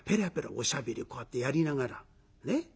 おしゃべりをこうやってやりながらね？